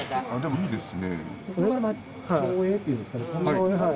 でもいいですね。